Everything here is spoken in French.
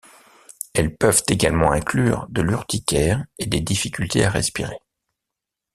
Elles peuvent également inclure de l'urticaire et des difficultés à respirer.